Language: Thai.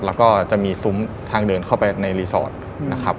แล้วก็จะมีซุ้มทางเดินเข้าไปในรีสอร์ทนะครับ